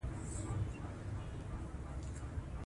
د چټلو اوبو ډنډونه د ماشو د پیدا کېدو اصلي ځایونه دي.